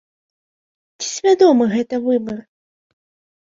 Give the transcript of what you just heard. Ці свядомы гэта выбар?